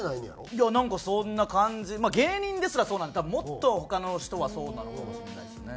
いやなんかそんな感じ芸人ですらそうなんで多分もっと他の人はそうなのかもしれないですね。